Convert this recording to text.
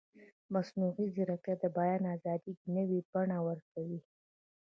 مصنوعي ځیرکتیا د بیان ازادي نوې بڼه ورکوي.